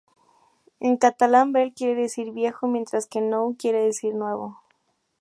En catalán, vell quiere decir "viejo", mientras que nou quiere decir "nuevo".